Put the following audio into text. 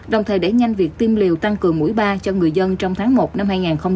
đồng thời đẩy nhanh việc tiêm liều tăng cường mũi ba cho người dân trong tháng một năm hai nghìn hai mươi